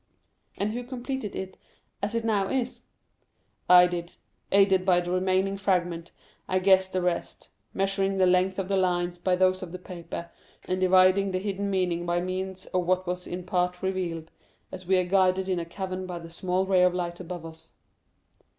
"And who completed it as it now is?" "I did. Aided by the remaining fragment, I guessed the rest; measuring the length of the lines by those of the paper, and divining the hidden meaning by means of what was in part revealed, as we are guided in a cavern by the small ray of light above us."